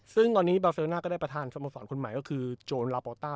ซึ่งตอนนี้บาเซลน่าก็ได้ประธานสโมสรคนใหม่ก็คือโจรลาโปต้า